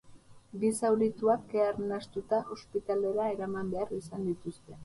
Bi zaurituak, kea arnastuta, ospitalera eraman behar izan dituzte.